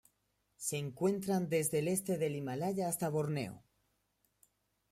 Se encuentran desde el este del Himalaya hasta Borneo.